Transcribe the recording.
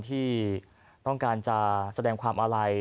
ที่ต้องการจะแสดงความอาลัย